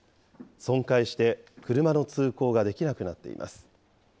損壊して、車の通行ができなくなっています。